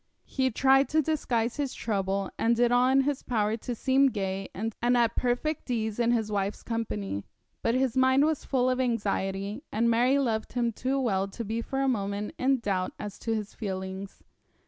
He tried to disguise his trouble, and did all in his power to seem gay and at perfect ease in his wife's company; but his mind was full of anxiety, and Mary loved him too well to be for a moment in doubt as to his feelings.